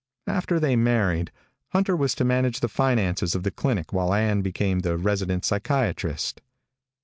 After they married, Hunter was to manage the finances of the clinic while Ann became the resident psychiatrist.